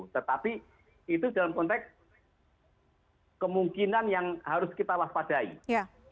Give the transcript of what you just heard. tetapi itu dalam konteks kemungkinan yang harus kita waspadai